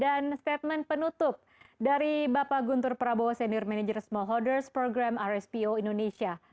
dan statement penutup dari bapak guntur prabowo senior manager smallholders program rspo indonesia